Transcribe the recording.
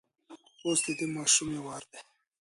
اوس د دې ماشومې وار دی.